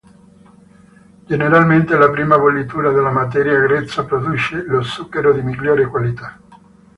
Generalmente, la prima bollitura della materia grezza produce lo zucchero di migliore qualità.